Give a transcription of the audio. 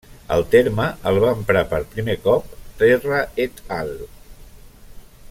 El terme el va emprar per primer cop Terra et al.